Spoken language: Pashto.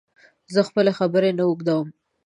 زه خپلي خبري نه اوږدوم